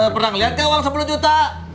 pernah ngeliat kayak uang sepuluh juta